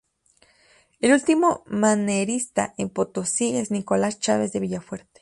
El último manierista en Potosí es Nicolás Chávez de Villafuerte.